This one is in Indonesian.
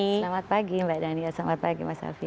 selamat pagi mbak daniela selamat pagi mas alvi